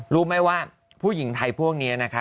รู้ไหมว่าผู้หญิงไทยพวกนี้นะคะ